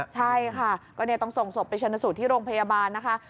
ใช่ค่ะก็ต้องส่งศพไปชนสูตรที่โรงพยาบาลนะคะ